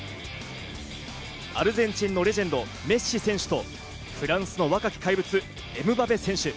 アルゼンチンのレジェンド、メッシ選手とフランスの若き怪物・エムバペ選手。